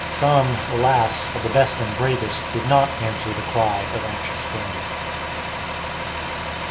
Some alas! of the best and bravest did not answer the cry of anxious friends.